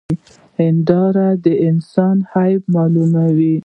هنداره د انسان عيب معلوموي.